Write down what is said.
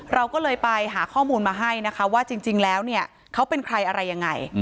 เราก็เลยไปหาข้อมูลมาให้นะคะว่าจริงแล้วเนี่ยเขาเป็นใครอะไรยังไง